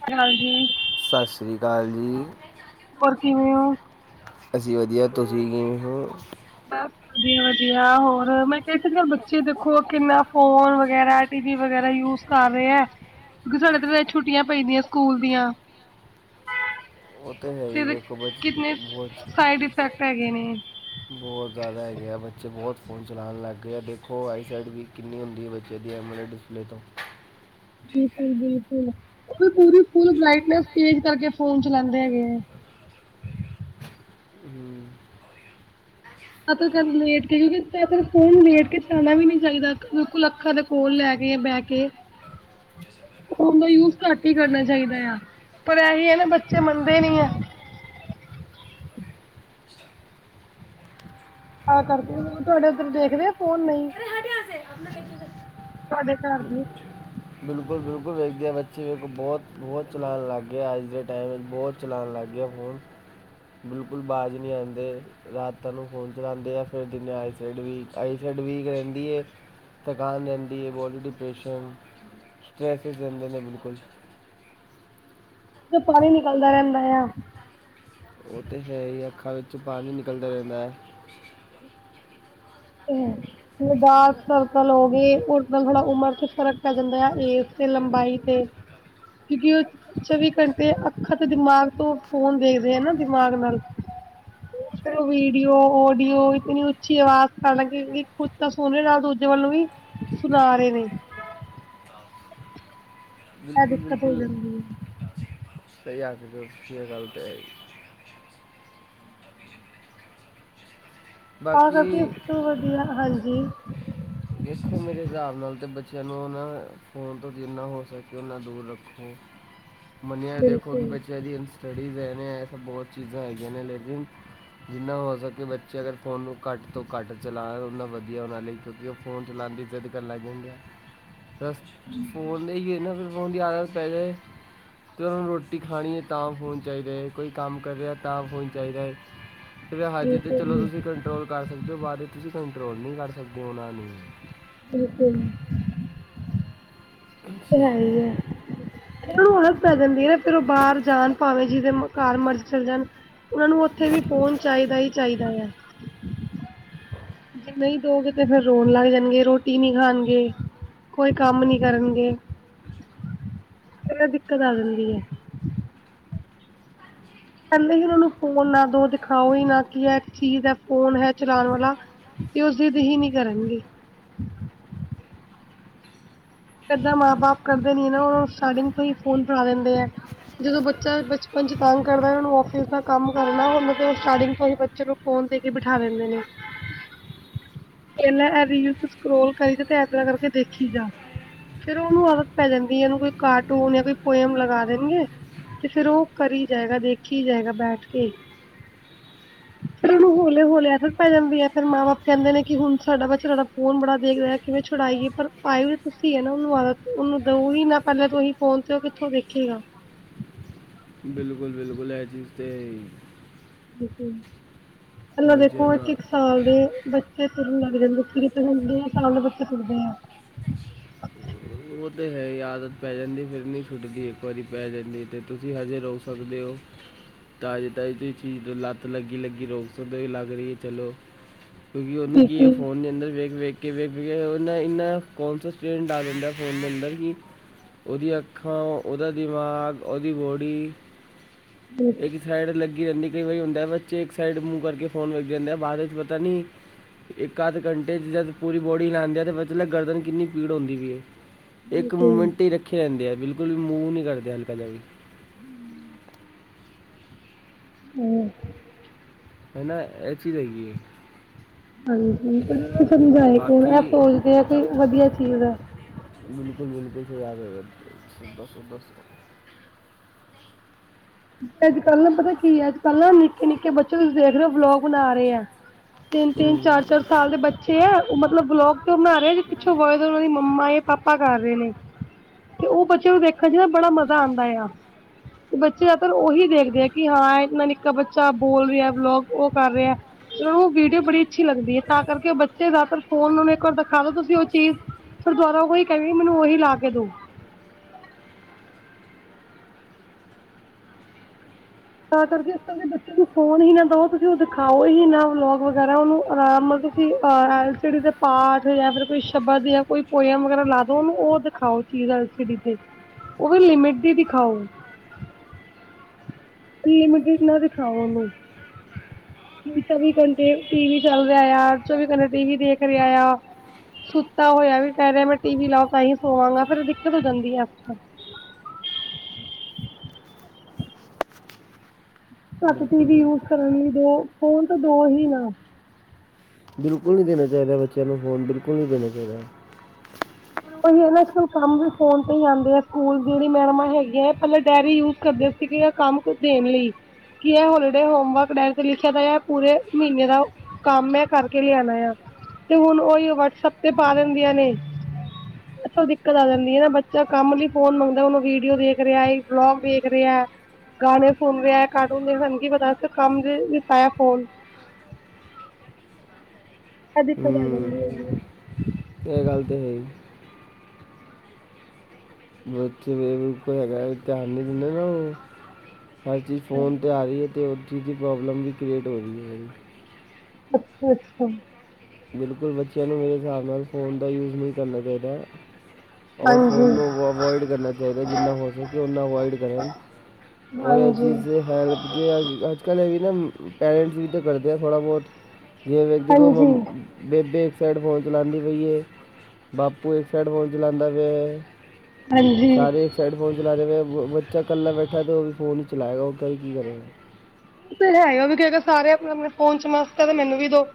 [unintelligible] ਸਾਸ਼੍ਰੀ ਕਾਲ ਜੀ। ਹੋਰ ਕਿਵੇਂ ਓ ਅਸੀਂ ਵਧੀਆ, ਤੁਸੀਂ ਕਿਵੇਂ ਹੋ। ਬੱਸ। ਵਧੀਆ-ਵਧੀਆ ਹੋਰ ਮੈਂ ਕਹਿ ਸਕਦਾ ਬੱਚੇ ਦੇਖੋ ਕਿੰਨਾ ਫੋਨ ਵਗੈਰਾ ਟੀ, ਵੀ ਵਗੈਰਾ ਯੂਜ ਕਰ ਰਹੇ ਐ ਕਿਉਂਕਿ ਸਾਡੇ ਤੇ ਛੁੱਟੀਆਂ ਪਈ ਦੀਆਂ ਸਕੂਲ ਦੀਆਂ ਹੋਰ। ਤੇ ਇਹਦੇ ਕਿਤਨੇ, ਸਾਈਡ ਇਫੈਕਟ ਹੈਗੇ ਨੇ ਬਹੁਤ ਜ਼ਿਆਦਾ ਹੈਗੇ ਆ ਬੱਚੇ ਬਹੁਤ ਫੋਨ ਚਲਾਉਣ ਲੱਗ ਗਏ ਆ ਦੇਖੋ ਆਈਸਾਈਡ ਵੀ ਕਿੰਨੀ ਹੁੰਦੀ ਆ ਬੱਚੇ ਦੀ [unintelligible] ਲੈ ਤੋਂ ਬਿਲਕੁਲ-ਬਿਲਕੁਲ ਉਹ ਵੀ ਪੂਰੀ ਫੁੱਲ ਬਰੈਡਨਸ ਤੇਜ ਕਰਕੇ ਫੋਨ ਚਲਾਉਦੇ ਹੈਗੇ ਐ। ਹਮ, [unintelligible] ਲੇਟ ਕੇ ਕਿਉਂਕਿ ਫੋਨ ਲੇਟ ਕੇ ਚਲਾਣਾ ਵੀ ਨੀ ਚਾਹੀਦਾ ਬਿਲਕੁਲ ਅੱਖਾਂ ਤ ਕੋਲ ਲੈ ਕੇ ਬਹਿ ਕੇ [inaudible] ਫੋਨ ਦਾ ਯੂਜ ਘੱਟ ਹੀ ਕਰਨਾ ਚਾਹੀਦਾ ਆ, ਪਰ ਇਹੀ ਐ ਨਾ ਬੱਚੇ ਮੰਨਦੇ ਨੀ ਐ ਆ ਕਰਦੇ ਤੁਹਾਡੇ ਉੱਧਰ ਦੇਖਦੇ ਆ ਫੋਨ ਨਹੀਂ ਤੁਹਾਡੇ ਘਰ ਦੇ ਬਿਲਕੁਲ ਬਿਲਕੁਲ ਵੇਖਦੇ ਆ ਬੱਚੇ ਵੇਖੋ ਬਹੁਤ-ਬਹੁਤ ਚਲਾਉਣ ਲੱਗ ਗੇ ਅੱਜ ਦੇ ਟਾਈਮ ਵਿੱਚ ਬਹੁਤ ਚਲਾਉਣ ਲੱਗ ਗਏ ਫੋਨ ਬਿਲਕੁਲ ਵਾਜ ਨਹੀਂ ਆਦੇ। ਰਾਤ ਨੂੰ ਫੋਨ ਚੜਾਉਦੇ ਆ ਫਿਰ ਦਿਨੇ ਆਈਸਡ ਵੀ, ਆਈਸਡ ਵੀਕ ਰਹਿੰਦੀ ਏ ਥਕਾਨ ਰਹਿੰਦੀ ਏ ਬੋਡੀ ਡਿਪ੍ਰੇਸ਼ਨ ਸਟਰੈਸ ਦਿੰਦੇ ਨੇ ਬਿਲਕੁਲ ਜੀ ਚੋ ਪਾਣੀ ਨਿਕਲਦਾ ਰਹਿੰਦਾ ਆ ਉਹ ਤੇ ਹੈ ਈ ਅੱਖਾਂ ਵਿੱਚ ਪਾਣੀ ਨਿਕਲਦਾ ਰਹਿੰਦਾ ਐ [inaudible] [inaudible] ਜ ਡਾਰਕ ਸਰਕਲ ਹੋ ਗਏ [unintelligible] ਲੰਬਾਈ ਤੇ। ਕਿਉਂਕਿ ਉਹ ਚੌਵੀ ਘੰਟੇ ਅੱਖਾਂ ਤੇ ਦਿਮਾਗ ਤੋਂ ਫੋਨ ਦੇਖਦੇ ਆ ਨਾ ਦਿਮਾਗ ਨਾਲ ਚਲੋ ਵੀਡੀਓ ਉਡੀਓ ਇਤਨੀ ਅੱਛੀ ਆਵਾਜ਼ ਹਾਲਾਂਕਿ ਖੁਦ ਤਾਂ [unintelligible] ਨਾਲ ਦੂਜੇ ਵੱਲ ਵੀ ਸੁਣਾ ਰਹੇ ਨੇ ਇਹ ਬਿਲਕੁਲ ਦਿੱਕਤ ਹੋ ਬਿਲਕੁਲ ਜਾਂਦੀ ਏ ਸਹੀ ਆਖ ਰਹੇ ਹੋ ਤੁਸੀਂ ਇਹ ਗੱਲ ਤੇ ਬਾਕੀ [unintelligible] ਹਾਂਜੀ। ਦੇੇਖੋ ਮੇਰੇ ਹਿਸਾਬ ਨਾਲ ਤਾਂ ਬੱਚਿਆਂ ਨੂੰ ਨਾ ਫ਼ੋਨ ਤੋਂ ਜਿੰਨਾ ਹੋ ਸਕੇ ਉਹਨਾ ਦੂਰ ਰੱਖੋ। ਮੰਨਿਆ ਦੇਖੋ ਕਿ ਬਿਲਕੁਲ ਬੱਚਿਆਂ ਦੀ ਹੰਸ ਸਟੱਡੀਜ਼ ਇਹਨੇ ਇਹ ਸਭ ਬਹੁਤ ਚੀਜ਼ਾਂ ਹੈਗੀਆਂ ਨੇ ਲੇਕਿਨ ਜਿੰਨਾ ਹੋ ਸਕੇ ਬੱਚੇ ਅਗਰ ਫ਼ੋਨ ਨੂੰ ਘੱਟ ਤੋਂ ਘੱਟ ਚਲਾ ਉਨਾ ਵਧੀਆ ਉਹਨਾਂ ਲਈ ਕਿਉਂਕਿ ਉਹ ਫੋਨ ਚਲਾਣ ਦੀ ਜਿੰਦ ਕਰਨ ਲੱਗ ਜਾਂਦੇ ਆ ਫਸਟ, ਫੋਨ ਦੇਈਏ ਨਾ ਫਿਰ ਫੋਨ ਦੀ ਆਦਤ ਪੈ ਜੇ ਚਲੋ ਰੋਟੀ ਖਾਣੀ ਐ ਤਾਂ ਫੋਨ ਚਾਹੀਦਾ ਏ। ਕੋਈ ਕੰਮ ਕਰਿਆ ਤਾਂ ਫੋਨ ਚਾਹੀਦਾ ਏ। ਫਿਰ ਹਜੇ ਤਾਂ ਬਿਲਕੁਲ ਚਲੋ ਜੀ ਤੁਸੀਂ ਕੰਟਰੋਲ ਕਰ ਸਕਦੇ ਹੋ? ਬਾਅਦ ਤੁਸੀਂ ਕੰਟਰੋਲ ਨਹੀਂ ਕਰ ਸਕਦੇ ਉਹਨਾਂ ਨੂੰ। ਬਿਲਕੁਲ ਉਹ ਤੇ ਹੈ ਹੀ ਆ। ਉਹਨੂੰ ਆਦਤ ਪੈ ਜਾਂਦੀ ਏ ਨਾ ਫਿਰ ਉਹ ਬਾਹਰ ਜਾਣ ਭਾਵੇਂ ਜਿਹਦੇ ਘਰ ਮਰਜ਼ੀ ਚੱਲ ਜਾਣ। ਉਹਨਾ ਨੂੰ ਉੱਥੇ ਵੀ ਫੋਨ ਚਾਹੀਦਾ ਹੀ ਚਾਹੀਦਾ ਆ। ਜੇ ਨਹੀਂ ਦੇਓਗੇ ਤੇ ਫਿਰ ਰੋਣ ਲੱਗ ਜਾਣਗੇ ਰੋਟੀ ਨਹੀਂ ਖਾਣਗੇ। ਕੋਈ ਕੰਮ ਨੀ ਕਰਨਗੇ। ਇਹ ਦਿੱਕਤ ਆ ਜਾਂਦੀ ਏ। ਪਹਿਲਾਂ ਹੀ ਉਹਨਾਂ ਨੂੰ ਫੋਨ ਨਾ ਦੋ ਦਿਖਾਓ ਹੀ ਨਾ ਕੀ ਹੈ ਚੀਜ਼ ਹੈ ਫੋਨ ਹੈ ਚਲਾਣ ਵਾਲਾ। ਤੇ ਉਹ ਜਿੱਦ ਹੀ ਨੀ ਕਰਨਗੇ। ਕਿੱਦਾਂ ਮਾਂ-ਬਾਪ ਕਰਦੇ ਨੀ ਹੈ ਨਾ ਉਹਨੂੰ ਸਟਾਰਟਿੰਗ ਤੋਂ ਹੀ ਫੋਨ ਫ ਦਿੰਦੇ ਆ। ਜਦੋਂ ਬੱਚਾ ਬਚਪਨ ਚ ਤੰਗ ਕਰਦਾ ਉਹਨੂੰ ਆਫਿਸ ਦਾ ਕੰਮ ਕਰਨਾ, ਉਹ ਸਟਾਰਟਿੰਗ ਤੋਂ ਹੀ ਬੱਚੇ ਨੂੰ ਫੋਨ ਦੇ ਕੇ ਬਿਠਾ ਦਿੰਦੇ ਨੇ। [inaudible] ਪਹਿਲਾਂ ਇਹ ਰੀਲ ਸਕੋਲ ਕਰੀ ਜਾ ਤੇ ਇਦਾਂ ਕਰਕੇ ਦੇਖੀ ਜਾ। ਫਿਰ ਉਹਨੂੰ ਆਦਤ ਪੈ ਜਾਂਦੀ ਏ। ਉਹਨੂੰ ਕੋਈ ਕਾਰਟੂਨ ਜਾਂ ਕੋਈ ਪੋਇਮ ਲਗਾ ਦੇਣਗੇ। ਤੇ ਫਿਰ ਉਹ ਕਰੀ ਜਾਏਗਾ ਦੇਖੀ ਜਾਏਗਾ ਬੈਠ ਕੇ। ਹ [unintelligible] ਹ ਹੋਲੇ-ਹੋਲੇ ਆਦਤ ਪੈ ਜਾਂਦੀ ਆ। ਫਿਰ ਮਾਂ-ਬਾਪ ਕਹਿੰਦੇ ਨੇ ਕਿ ਹੁਣ ਸਾਡਾ ਬੱਚਾ ਰੜਾ ਫੋਨ ਬੜਾ ਦੇਖ ਰਿਹਾ, ਕਿਵੇਂ ਛੁਡਾਈਏ ਪਰ ਪਾਏ ਓ ਜ ਤੁਸੀਂ‌ ਉਹਨੂੰ ਆ ਉਹਨੂੰ ਦਊ ਹੀ ਨਾ ਪਹਿਲਾਂ ਤੁਸੀਂ ਫੋਨ ਤੇ ਉਹ ਕਿੱਥੋਂ ਵੇਖੇਗਾ। ਬਿਲਕੁਲ - ਬਿਲਕੁਲ, ਇਹ ਚੀਜ਼ ਤੇ ਐ। ਕ ਇਹਾਂ ਬੱਚੇ ਦੇਖੋ ਨੂੰ ਇੱਕ-ਇੱਕ ਸਾਲ ਦੇ ਬੱ- ਚੇ ਤੁਰਨ ਲੱਗਦੇ ਬੱਚੇ ਕਿ ਹੁੰਦੇ ਆ ਚ ਬੱਚੇ ਤੁਰਦੇ ਆ। ਉਹ ਤਾਂ ਹੈ ਆਦਤ ਪੈ ਜਾਂਦੀ ਫਿਰ ਨਹੀਂ ਛੁੱਟਦੀ। ਇੱਕ ਵਾਰੀ ਪੈ ਜਾਂਦੀ ਤੇ ਤੁਸੀਂ ਹਜੇ ਰੋਕ ਸਕਦੇ ਹੋ। ਤਾਜ਼ੀ-ਤਾਜ਼ੀ ਤੇ ਚੀਜ਼ ਲੱਤ ਲੱਗੀ ਲੱਗੀ ਰੋਕ ਸਕਦੇ ਵੀ ਲੱਗ ਰਹੀ ਹੈ ਚੱਲੋ ਕਿਉਂਕਿ ਉਹਨੂੰ ਕੀ ਇਹ ਬਿਲਕੁਲ ਫੋਨ ਦੇ ਅੰਦਰ ਵੇਖ ਵੇਖ ਕੇ ਵੇਖ ਵੇਖ ਕੇ ਉਹਦਾ ਇੰਨਾ ਕੌਨਸ ਸਟੂਡੈਂਟ ਆ ਜਾਂਦਾ ਫੋਨ ਨੰਬਰ ਕੀ। ਉਹਦੀਆਂ ਅੱਖਾਂ, ਉਹਦਾ ਦਿਮਾਗ, ਉਹਦੀ ਬੋਡੀ, ਇੱਕ ਸਾਈਡ ਲੱਗੀ ਰਹਿੰਦੀ। ਕਈ ਵਾਰੀ ਹੁੰਦਾ ਬੱਚੇ ਇੱਕ ਸਾਈਡ ਮੂੰਹ ਕਰਕੇ ਫੋਨ ਲੱਗ ਜਾਂਦਾ ਬਾਅਦ ਵਿੱਚ ਪਤਾ ਨੀ ਇੱਕ ਅੱਧ ਘੰਟੇ 'ਚ ਜਦ ਪੂਰੀ ਬੋਡੀ ਲਾਦੇ ਆ। ਤਾਂ ਫਿਰ ਗਰਦਨ ਕਿੰਨੀ ਪੀੜ ਹੁੰਦੀ ਵੀ ਹੈ। ਇੱਕ ਬਿਲਕੁਲ ਮੂਮੈਂਟ ਹੀ ਰੱਖੇ ਜਾਂਦੇ ਆ। ਬਿਲਕੁਲ ਵੀ ਮੂਵ ਨਹੀਂ ਕਰਦੇ ਹਲਕਾ ਜਿਹਾ ਵੀ। ਹਮ ਹਮ ਹਨਾ ਅਐ ਚੀਜ਼ ਹੈਗੀ ਆ। ਹਾਂਜੀ, ਸਮਝਏ ਕੌਣ? ਬਾਕੀ ਆ ਸੋਚਦੇ ਆ ਕਿ ਵਧੀਆ ਚੀਜ਼ ਹੈ। ਬਿਲਕੁਲ ਬਿਲਕੁਲ ਫ ਯਦ ਦਸ ਬਸ। ਅੱਜ-ਕੱਲ੍ਹ ਨਾ ਪਤਾ ਕੀ ਏ। ਅੱਜ-ਕੱਲ੍ਹ ਨਾ ਨਿੱਕੇ-ਨਿੱਕੇ ਬੱਚੇ ਤੁਸੀਂ ਦੇਖ ਰਹੇ ਹੋ ਬਲੋਗ ਬਣਾ ਰਹੇ ਆ। ਹੂੰ ਤਿੰਨ-ਤਿੰਨ, ਚਾਰ-ਚਾਰ ਸਾਲ ਦੇ ਬੱਚੇ ਪਿੱਛੇ ਏ, ਉਹ ਮਤਲਬ ਬਲੋਗ ਤੇ ਬਣਾ ਰਹੇ ਜ ਪਿੱਛੋਂ ਹੋਏ ਉਹਨਾਂ ਦੀ ਮੰਮਾ ਜਾਂ ਪਾਪਾ ਕਰ ਰਹੇ ਨੇ। ਤੇ ਉਹ ਬੱਚੇ ਨੂੰ ਦੇਖਣ ਚ ਨਾ ਬੜਾ ਮਜ਼ਾ ਆਦਾ ਆ ਤੇ ਬੱਚੇ ਜ਼ਿਆਦਾਤਰ ਉਹੀ ਦੇਖਦੇ ਆ ਕਿ ਹਾਂ ਇੰਨਾ ਨਿੱਕਾ ਬੱਚਾ ਬੋਲ ਰਿਹਾ ਬਲੋਗ ਉਹ ਕਰ ਰਿਹਾ। ਉਹ ਵੀਡੀਓ ਬੜੀ ਅੱਛੀ ਲੱਗਦੀ ਏ ਤਾਂ ਕਰਕੇ ਉਹ ਬੱਚੇ ਜ਼ਿਆਦਾਤਰ ਫੋਨ ਨੂੰ ਇੱਕ ਵਾਰ ਦਿਖਾ ਦੋ ਤੁਸੀਂ ਉਹ ਚੀਜ਼ ਫਿਰ ਦੁਬਾਰਾ ਉਹੀ ਕਹਿਨੇਗੇ। ਮੈਨੂੰ ਉਹੀ ਲਾ ਕੇ ਦੋ। ਤਾਂ ਕਰਕੇ ਇਸ ਦੇ ਬੱਚੇ ਨੂੰ ਫੋਨ ਹੀ ਨਾ ਦੋ। ਤੁਸੀਂ ਉਹ ਦਿਖਾਓ ਹੀ ਨਾ ਵਲੋਗ ਵਗੈਰਾ। ਉਹਨੂੰ ਆਰਾਮ ਐਲ ਸੀਡੀ ਦੇ ਪਾਠ ਜਾਂ ਫ ਕੋਈ ਸ਼ਬਦ ਜਾਂ ਕੋਈ ਪੋਇਮ ਵਗੈਰਾ ਲਾ ਦੋ ਉਹਨੂੰ ਉਹ ਦਿਖਾਓ। ਚੀਜ਼ [unintelligible] ਉਹ ਵੀ ਲਿਮਿਟ ਦੀ ਦਿਖਾਓ। ਲਿਮਿਟਿਡ ਨਾ ਦਿਖਾਓ ਉਹਨੂੰ। ਚੌਵੀ ਘੰਟੇ ਟੀ ਵੀ ਚੱਲ ਰਿਹਾ ਆ। ਚੌਵੀ ਘੰਟੇ ਟੀ ਵੀ ਦੇਖ ਰਿਹਾ ਆ। ਸੁੱਤਾ ਹੋਇਆ ਵੀ ਕਹਿ ਰਿਹਾ। ਮੈਂ ਟੀ ਵੀ ਲਾਓ ਤਾਂਹੀ ਸੋਵਾਂਗਾ ਫੇਰ ਦਿੱਕਤ ਹੋ ਜਾਂਦੀ ਹੈ। ਘੱਟ ਟੀ ਬਿਲਕੁਲ ਵੀ ਬਿਲਕੁਲ ਯੂਜ ਕਰਨ ਲਈ ਦੋ ਫੋਨ ਤੋਂ ਦੋ ਹੀ ਨਾਂ ਬਿਲਕੁਲ ਨਹੀਂ ਦੇਣਾ ਚਾਹੀਦਾ ਬੱਚਿਆਂ ਨੂੰ ਫੋਨ ਬਿਲਕੁਲ ਨਹੀਂ ਦੇਣਾ ਚਾਹੀਦਾ। ਨਾਲ ਕੰਮ ਵੀ ਫੋਨ ਤੇ ਹੀ ਆਦੇ ਆ ਸਕੂਲ ਜਿਹੜੀ ਮੈਡਮਾਂ ਹੈਗੀਆ ਪਹਿਲਾਂ ਡਾਅਰੀ ਯੂਜ ਕਰਦੇ ਸੀਗੇ ਆ ਕੰਮ ਦੇਣ ਲਈ। ਕੀ ਹੈ ਹੋਲੀਡੇ ਹੋਮਵਰਕ ਡਾਇਰੀ ਤੇ ਲਿਖਿਆ ਦਾ ਹੈ ਪੂਰੇ ਮਹੀਨੇ ਦਾ ਕੰਮ ਐ ਕਰਕੇ ਲਿਆਣਾ ਆ ਤੇ ਹੁਣ ਉਹੀ ਵਟਸਪ ਤੇ ਪਾ ਦਿੰਦੀਆਂ ਨੇ। ਇਥੋ ਦਿੱਕਤ ਆ ਜਾਂਦੀ ਨਾਂ ਬੱਚਾ ਕੰਮ ਲਈ ਫੋਨ ਮੰਗਦਾ ਉਹਨੂੰ ਵੀਡੀਓ ਦੇਖ ਰਿਹਾ, ਵਲੋਗ ਦੇਖ ਰਿਹਾ। ਗਾਣੇ ਸੁਣ ਰਿਹਾ ਕਾਰਟੂਨ ਦੇਖ ਰਿਹਾ ਸਾਨੂੰ ਕੀ ਪਤਾ ਅਸੀਂ ਤਾਂ ਕੰਮ ਲਈ ਫ ਹੈ ਫੋਨ ਆ ਦਿਕਤ ਜਾਂਦੀ ਹੈਗੇ ਆ। ਏ ਗੱਲ ਤੇ ਹੈ ਈ। ਉੱਥੇੇ ਕੋਲ ਹੈਗਾ ਧਿਆਨ ਨਹੀਂ ਦਿੰਦੇ ਨਾ ਉਹ ਹਰ ਚੀਜ਼ ਫੋਨ 'ਤੇ ਹਾਂਜੀ ਆ ਰਹੀ ਹੈ ਤੇ ਉਹ ਚੀਜ਼ ਦੀ ਪ੍ਰੋਬਲਮ ਵੀ ਕ੍ਰੀਏਟ ਹੋ ਰਹੀ ਹੈ। ਅੱਛਾ-ਅੱਛਾ ਬਿਲਕੁਲ ਬੱਚਿਆਂ ਨੂੰ ਮੇਰੇ ਹਿਸਾਬ ਨਾਲ ਫ਼ੋਨ ਦਾ ਯੂਜ ਨਹੀਂ ਕਰਨਾ ਚਾਹੀਦਾ। ਔਰ ਫੋਨ ਹਾਂਜੀ ਨੂੰ ਅਵੋਇਡ ਕਰਨਾ ਚਾਹੀਦਾ। ਜਿੰਨਾਂ ਹੋ ਸਕੇ ਉਨਾ ਅਵਇਡ ਕਰਨ। ਉਹ ਇਹ ਹਾਂਜੀ ਚੀਜ਼ ਹੈਲਪ ਕਿ ਅੱਜ-ਕੱਲ੍ਹ ਇਹ ਵੀ ਨਾਂ ਪੈਰੈਂਟਸ ਵੀ ਤਾਂ ਕਰਦੇ ਆ ਥੋੜਾ ਬਹੁਤ ਜੇ ਵੇਖਦੇ ਹੋ ਹਾਂਜੀ ਮ- ਬੇਬੇ ਇੱਕ ਸਾਈਡ ਫੋਨ ਚਲਉਦੀ ਪਈ ਹੈ। ਬਾਪੂ ਇੱਕ ਸਾਈਡ ਫੋਨ ਚਲਉਦਾ ਪਿਆ। ਹਾਂਜੀ ਸਾਰੇ ਸਾਰੇ ਫੋਨ ਚਲਾ ਰਹੇ ਹੋ ਬੱਚਾ ਇਕੱਲਾ ਬੈਠਾ ਤਾਂ ਉਹ ਵੀ ਫੋਨ ਹੀ ਚਲਾਏਗਾ ਉਹ ਕ ਵੀ ਕੀ ਕਰੇਗਾ। ਹੈ ਵੀ ਅਗਰ ਸਾਰੇ ਆਪਣੇ-ਆਪਣੇ ਫੋਨ'ਚ ਮਸਤ ਹੈ ਤੇ ਮੈਨੂੰ ਵੀ ਦੋ।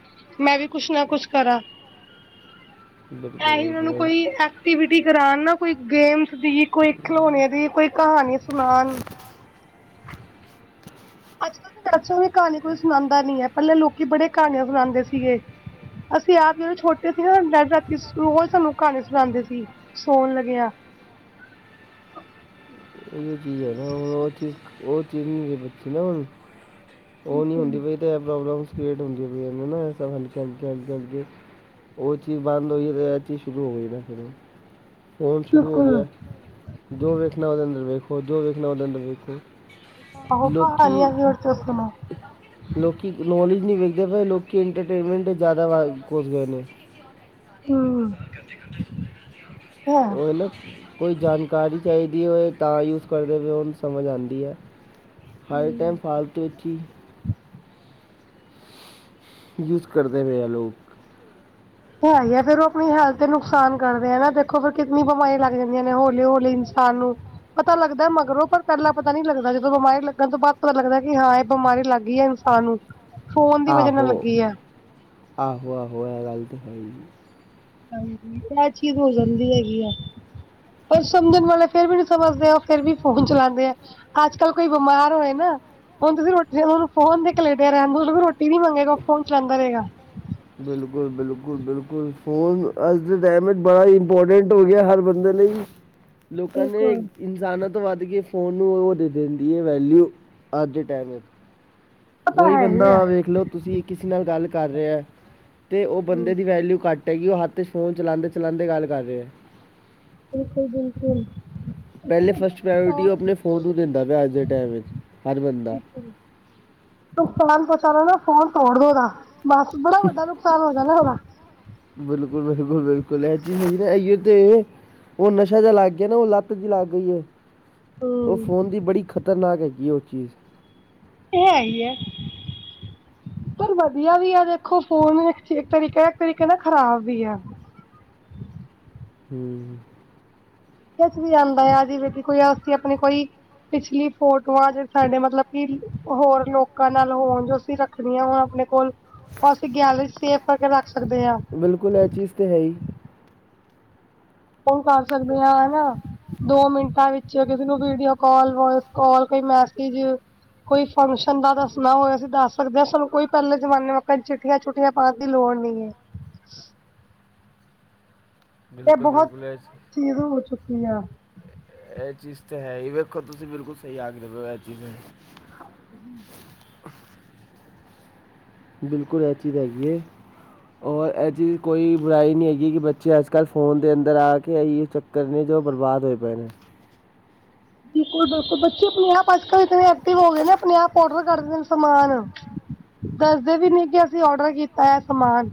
ਮੈਂ ਵੀ ਕੁਛ ਨਾ ਕੁਛ ਕਰਾਂ। [unintelligible] ਐਸੀ ਉਹਨਾਂ ਨੂੰ ਬਿਲਕੁਲ ਕੋਈ ਐਕਟੀਵਿਟੀ ਕਰਾਉਣ ਨਾ ਕੋਈ ਗੇਮ ਦੀ ਵੀ ਕੋਈ ਖਿਲੋਣੇ ਦੀ ਕੋਈ ਕਹਾਣੀ ਸੁਣਾਣ। ਅੱਜ-ਕੱਲ੍ਹ ਵੈਸੇ ਵੀ ਕਹਾਣੀ ਕੋਈ ਸੁਣਾਉਂਦਾ ਨੀ ਹੈ ਪਹਿਲਾਂ ਲੋਕੀ ਬੜੇ ਕਹਾਣੀਆਂ ਸੁਣਾਉਂਦੇ ਸੀਗੇ। ਅਸੀ ਆਪ ਜਿਹੜੇ ਛੋਟੇ ਸੀ ਨਾਂ ਡੈਡੀ ਰਾਤੀ ਰੋਜ਼ ਸਾਨੂੰ ਕਹਾਣੀ ਸੁਣਾਦੇ ਸੀ। ਸੌਣ ਲੱਗਿਆ। ਇਹੀ ਚੀਜ਼ ਹੈ ਨਾਂ ਹੁਣ ਉਹ ਚੀਜ਼ ਉਹ ਚੀਜ਼ ਨਹੀਂ ਬੱਚੀ ਨਾ ਹੁਣ ਉਹ ਨਹੀਂ ਬਿਲਕੁਲ ਹੁੰਦੀ ਪਈ ਤੇ ਪਰੋਬਲਮਸ ਕਰੇਟ ਹੁੰਦੀ ਪਈਆਂ ਏ ਨਾਂ ਸਬ ਅੱਗੇ-ਅੱਗੇ ਉਹ ਚੀਜ਼ ਬੰਦ ਹੋਈ ਤੇ ਇਹ ਚੀਜ ਸ਼ੁਰੂ ਹੋ ਗਈ ਨਾ ਫਿਰ। ਫੋਨ ਸ਼ੁਰੂ ਹੋ ਗਿਆ। ਬਿਲਕੁਲ ਜੋ ਵੇਖਣਾ ਉਹਦੇ ਅੰਦਰ ਵੇਖੋ ਜੋ ਵੇਖਣਾ ਉਹਦੇ ਅੰਦਰ ਵੇਖੋ ਆਹੋ ਲੋਕੀ ਕਹਾਣੀਆਂ ਸੀ ਹੋਰ ਤੋਂ ਸੁਣੋ। ਲੋਕੀ ਨੌਲੇਜ ਨਹੀਂ ਵੇਖਦੇ ਪਏ ਲੋਕੀ ਇੰਟਰਟੇਨਮੈਂਟ ਜ਼ਿਆਦਾ ਵਾ ਘੁਸਦੇ ਨੇ। ਹਮ। ਹੈ ਉਹ ਨਾ ਕੋਈ ਜਾਣਕਾਰੀ ਚਾਹੀਦੀ ਹੋਵੇ ਤਾਂ ਯੂਜ ਕਰਦੇ ਹੋਏ ਉਹਨੂੰ ਸਮਝ ਆਦੀ ਐ। ਹਰ ਟਾਈਮ ਹਮ ਫਾਲਤੂ ਵਿਚ ਹੀ ਯੂਜ ਕਰਦੇ ਪਏ ਆ ਲੋਕ। ਤੇ ਆਈ ਹੈ ਫੇਰ ਉਹ ਆਪਣੀ ਹੈਲਥ ਤੇ ਨੁਕਸਾਨ ਕਰਦੇ ਆ ਨਾ ਦੇਖੋ ਫਿਰ ਕਿੰਨੀ ਬਿਮਾਰੀਆਂ ਲੱਗ ਜਾਂਦੀਆਂ ਨੇ ਹੌਲੀ-ਹੌਲੀ ਇਨਸਾਨ ਨੂੰ। ਪਤਾ ਲੱਗਦਾ ਮਗਰੋਂ ਪਰ ਪਹਿਲਾਂ ਪਤਾ ਨੀ ਲੱਗਦਾ ਜਦੋਂ ਬਿਮਾਰੀ ਲੱਗਣ ਤੋਂ ਬਾਅਦ ਪਤਾ ਲੱਗਦਾ ਕਿ ਹਾਂ ਇਹ ਬਿਮਾਰੀ ਲੱਗ ਗਈ ਹੈ ਇਹ ਸਾਨੂੰ। ਆਹੋ, ਆਹੋ-ਆਹੋ ਇਹ ਗੱਲ ਤਾਂ ਹੈ ਈ। ਹਾਂਜੀ ਇਹ ਚੀਜ਼ ਹੋ ਜਾਂਦੀ ਹੈਗੀ ਆ। ਪਰ ਸਮਝਣ ਵਾਲੇ ਫੇਰ ਵੀ ਨੀ ਸਮਝਦੇ ਆ ਉਹ ਫੇਰ ਵੀ ਫੋਨ ਚਲਾਉਂਦੇ ਆ। ਅੱਜ-ਕੱਲ੍ਹ ਕੋਈ ਬਿਮਾਰ ਹੋਏ ਨਾਂ ਹੁਣ ਤੁਸੀਂ ਰੋਟੀ ਫੋਨ ਤੇ ਲੱਗਿਆ ਰਹਿਣ ਦੋ ਵੀ ਰੋਟੀ ਨੀ ਮੰਗੇਗਾ ਫੋਨ ਚਲਾਉਦਾ ਰਹੇਗਾ। ਬਿਲਕੁਲ-ਬਿਲਕੁਲ-ਬਿਲਕੁਲ ਫੋਨ ਅੱਜ ਦੇ ਟਾਈਮ ਬੜਾ ਹੀ ਇੰਪੋਰਟੈਂਟ ਹੋ ਗਿਆ ਹਰ ਬੰਦੇ ਲਈ। ਲੋਕਾਂ ਨੇ ਬਿਲਕੁਲ ਇਨਸਾਨਾਂ ਤੋਂ ਵੱਧ ਕੇ ਫੋਨ ਨੂੰ ਉਹ ਦੇ ਦਿੰਦੀ ਹੈ ਵੈਲਿਊ, ਅੱਜ ਦੇ ਟਾਈਮ ਵਿੱਚ। ਪਤਾ ਕੋਈ ਹੈ ਹੀ ਹੈ ਬੰਦਾ ਵੇਖ ਲਓ ਤੁਸੀਂ ਕਿਸੇ ਨਾਲ ਗੱਲ ਕਰ ਰਿਹਾ ਹੈ, 'ਤੇ ਉਹ ਬੰਦੇ ਦੀ ਵੈਲਿਊ ਘੱਟ ਟੈ ਗੀ ਉਹ ਹੱਥ 'ਚ ਫੋਨ ਚਲਾਉਂਦੇ-ਚਲਾਉਂਦੇ ਗੱਲ ਕਰ ਰਿਹਾ ਹੈ। ਬਿਲਕੁਲ-ਬਿਲਕੁਲ। ਪਹਿਲੇ ਫਸਟ ਪ੍ਰਓਰਟੀ ਉਹ ਆਪਣੇ ਫੋਨ ਨੂੰ ਦਿੰਦਾ ਪਿਆ ਅੱਜ ਦੇ ਟੈਮ ਵਿੱਚ, ਹਰ ਬੰਦਾ। ਨੁਕਸਾਨ ਪਹੁੰਚਾਣਾ ਨਾ ਫੋਨ ਤੋੜ ਓਦਾ ਬਸ ਬੜਾ ਵੱਡਾ ਨੁਕਸਾਨ ਹੋ ਜਾਨਾ ਓਦਾ। ਬਿਲਕੁਲ-ਬਿਲਕੁਲ ਬਿਲਕੁਲ, ਇਹ ਚਾਈਏ ਏਈਓ 'ਤੇ ਉਹ ਨਸ਼ਾ ਜਿਹਾ ਲੱਗ ਗਿਆ ਨਾ ਉਹ ਲੱਤ ਜਿਹੀ ਲੱਗ ਗਈ ਹੈ। ਉਹ ਹੂੰ। ਫੋਨ ਦੀ ਬੜੀ ਖ਼ਤਰਨਾਕ ਹੈਗੀ ਉਹ ਚੀਜ਼। 'ਤੇ ਹੈ ਹੀ ਐ। ਪਰ ਵਧੀਆ ਵੀ ਆ ਦੇਖੋ ਫੋਨ ਇੱਕ ਤਰੀਕੇ, ਇੱਕ ਤਰੀਕੇ ਨਾ ਖ਼ਰਾਬ ਵੀ ਆ। ਹਮ। ਕੁਛ ਵੀ ਆਉਂਦਾ ਆ ਜੀ ਬੇ ਕੋਈ ਅਸੀਂ ਆਪਣੇ ਕੋਈ ਪਿਛਲੀ ਫੋਟੋਆਂ ਜੇ ਸਾਡੇ ਮਤਲਬ ਕਿ ਹੋਰ ਲੋਕਾਂ ਨਾਲ ਹੋਣ ਜੋ ਅਸੀਂ ਰੱਖਣੀ ਆ ਹੁਣ ਆਪਣੇ ਕੋਲ ਉਹ ਅਸੀਂ ਗੈਲਰੀ ਸੇਫ ਕਰਕੇ ਰੱਖ ਸਕਦੇ ਹਾਂ। ਬਿਲਕੁਲ ਇਹ ਚੀਜ਼ ਤੇ ਹੈ ਹੀ। ਉਹ ਕਰ ਸਕਦੇ ਹਾਂ ਹਨਾ। ਦੋ ਮਿੰਟਾਂ ਵਿਚ ਕਿਸੇ ਨੂੰ ਵੀਡੀਓ ਕਾਲ, ਵੋਇਸ ਕਾਲ, ਕੋਈ ਮੈਸੇਜ ਕੋਈ ਫੰਕਸ਼ਨ ਦਾ ਦੱਸਣਾ ਹੋਇ ਅਸੀਂ ਦੱਸ ਸਕਦੇ ਹਾਂ, ਸਾਨੂੰ ਕੋਈ ਪਹਿਲੇ ਜਮਾਨੇ ਵਾਂਗ ਆਪਾਂ ਚਿੱਠੀਆਂ 'ਚ- ਚਿੱਠੀਆਂ ਪਾਉਣ ਦੀ ਲੋੜ ਨੀ ਐ ਬਿਲਕੁਲ-ਬਿਲਕੁਲ ਐ 'ਤੇ ਹੋ ਚੁੱਕੀ ਆ। ਇਹ ਚੀਜ਼ ਤਾਂ ਹੈ ਹੀ ਵੇਖੋ ਤੁਸੀਂ ਬਿਲਕੁਲ ਸਹੀ ਆਕਦੇ ਹੋ ਇਹ ਚੀਜ਼ ਨੂੰ ਹਾਂਜੀ। ਬਿਲਕੁਲ ਇਹ ਚੀਜ਼ ਹੈਗੀ ਹੈ। ਔਰ ਇਹ ਚੀਜ਼ ਕੋਈ ਬੁਰਾਈ ਨਹੀਂ ਹੈਗੀ ਕਿ ਬੱਚੇ ਅੱਜ ਕੱਲ ਫੋਨ ਦੇ ਅੰਦਰ ਆ ਕੇ ਇ ਚੱਕ ਕਰਨੇ 'ਚ ਬਰਬਾਦ ਹੋਏ ਪਏ ਨੇ। ਬਿਲਕੁਲ-ਬਿਲਕੁਲ ਬੱਚੇ ਆਪਣੇ-ਆਪ ਅੱਜ-ਕੱਲ੍ਹ ਇਤਨੇ ਐਕਟਿਵ ਹੋ ਗਏ ਨੇ ਆਪਣੇ-ਆਪ ਔਡਰ ਕਰਦੇ ਨੇ ਸਮਾਨ। ਦੱਸਦੇ ਵੀ ਨੀ ਕਿ ਅਸੀਂ ਔਡਰ ਕੀਤਾ ਹੈ ਸਮਾਨ।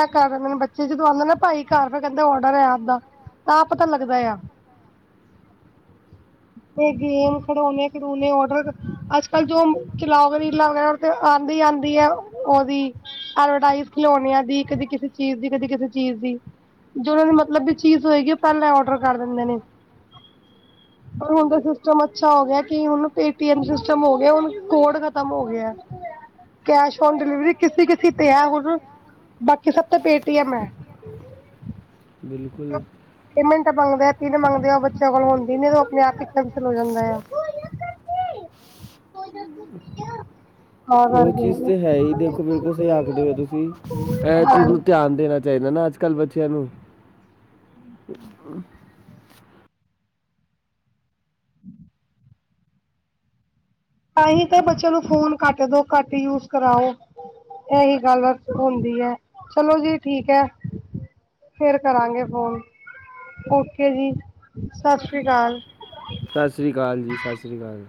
ਐ ਕਰ ਬੱਚੇ ਜਦੋਂ ਆਉਂਦੇ ਨਾ ਭਾਈ ਘਰ ਫਿਰ ਕਹਿੰਦੇ ਔਡਰ ਹੈ ਆਪਦਾ। ਤਾਂ ਪਤਾ ਲੱਗਦਾ ਆ। 'ਤੇ ਗੇਮ ਖਡੋਣੇ ਖਿਡੂਣੇ ਔਡਰ, ਅੱਜ-ਕੱਲ੍ਹ ਜੋ ਚਲਾਓ ਗੇ ਰੀਲਾਂ ਵਗੈਰਾ 'ਤੇ ਆਂਦੀ-ਆਂਦੀ ਹੈ, ਉਹਦੀ। ਐਡਵਰਟਾਈਜ਼ ਖਿਲੋਣਿਆਂ ਦੀ ਕਦੇ ਕਿਸੇ ਚੀਜ਼ ਦੀ, ਕਦੇ ਕਿਸੇ ਚੀਜ਼ ਦੀ ਜੋ ਉਹਨਾਂ ਦੀ ਮਤਲਬ ਵੀ ਚੀਜ਼ ਹੋਏਗੀ ਉਹ ਪਹਿਲਾਂ ਔਡਰ ਕਰ ਦਿੰਦੇ ਨੇ। ਪਰ ਹੁਣ ਦਾ ਸਿਸਟਮ ਅੱਛਾ ਹੋ ਗਿਆ, ਕਿ ਹੁਣ ਪੇ ਟੀਐਮ ਸਿਸਟਮ ਹੋ ਗਿਆ ਹੁਣ ਕੋਡ ਖਤਮ ਹੋ ਗਿਆ। [inaudible] ਕੈਸ਼ ਔਨ ਡਿਲੀਵਰੀ ਕਿਸੇ-ਕਿਸੇ ਤੇ ਹੈ ਹੁਣ, ਬਾਕੀ ਸਭ ਤੋਂ ਪੇ ਟੀਐਮ ਹੈ। ਬਿਲਕੁਲ। ਪੇਮੈਂਟ ਮੰਗਦੇ ਆ ਪਿੰਨ ਮੰਗਦੇ ਆ ਉਹ ਬੱਚਿਆਂ ਕੋਲੋਂ ਹੁੰਦੀ ਨ ਉਹ ਆਪਣੇ ਆਪ ਹੀ ਕੈਂਸਲ ਹੋ ਜਾਂਦਾ ਆ [inaudible] [unintelligible] ਉਹ ਕਰਕੇ ਚੀਜ਼ ਤਾਂ ਹੈ ਹੀ ਦੇਖੋ ਬਿਲਕੁਲ ਸਹੀ ਆਖਦੇ ਹੋ ਤੁਸੀਂ ਇਹ ਚੀਜ਼ ਹਾਂਜੀ ਨੂੰ ਧਿਆਨ ਦੇਣਾ ਚਾਹੀਦਾ ਨਾ ਅੱਜ-ਕੱਲ੍ਹ ਬੱਚਿਆਂ ਨੂੰ ਆਏ ਨੀਂ ਕਿ ਬੱਚਿਆਂ ਨੂੰ ਫੋਨ ਘੱਟ ਤੋਂ ਘੱਟ ਯੂਜ ਕਰਾਓ। ਇਹੀ ਗੱਲ ਹੁੰਦੀ ਹੈ, ਚਲੋ ਜੀ ਠੀਕ ਹੈ। ਫਿਰ ਕਰਾਂਗੇ ਫੋਨ, ਓਕੇ ਜੀ ਸਸ਼੍ਰੀ ਕਾਲ। ਸਸ਼੍ਰੀ ਕਾਲ ਜੀ, ਸਸ਼੍ਰੀ ਕਾਲ।